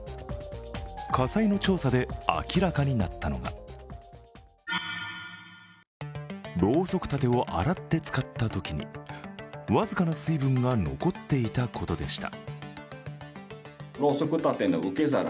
火災の調査で明らかになったのがろうそく立てを洗って使ったときに、僅かな水分が残っていたことでした。